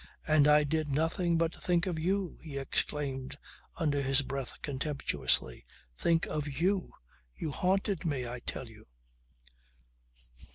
"And I did nothing but think of you!" he exclaimed under his breath, contemptuously. "Think of you! You haunted me, I tell you."